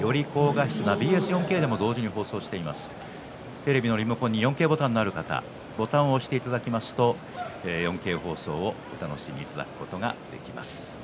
テレビのリモコンに４Ｋボタンがある方はボタンを押していただくと４Ｋ放送をお楽しみいただくことができます。